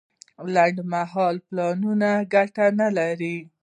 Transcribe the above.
لنډمهاله پلانونه ګټه نه لري.